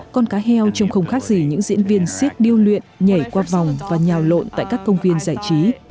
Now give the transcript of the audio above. con cá heo trong không khác gì những diễn viên siếc điêu luyện nhảy qua vòng và nhào lộn tại các công viên giải trí